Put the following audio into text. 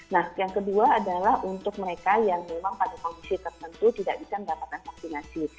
nah yang kedua adalah untuk mereka yang memang pada kondisi tertentu tidak bisa mendapatkan vaksinasi